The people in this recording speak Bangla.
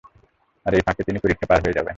আর এই ফাঁকে তিনি পরিখা পার হয়ে যাবেন।